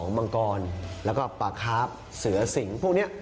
มังกรแล้วก็ปลาคาร์ฟเสือสิงพวกนี้